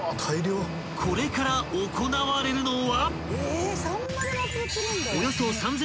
［これから行われるのは］